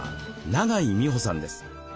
永井美穂さんです。